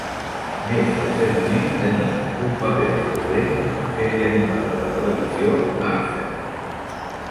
Més recentment, tenia un paper recurrent a la sèrie animada de televisió "Archer".